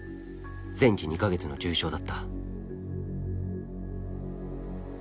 全治２か月の重症だった。